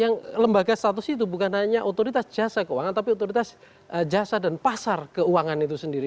yang lembaga status itu bukan hanya otoritas jasa keuangan tapi otoritas jasa dan pasar keuangan itu sendiri